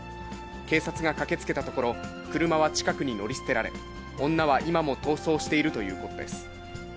警察が駆けつけたところ、車は近くに乗り捨てられ、女は今も逃走しているということです。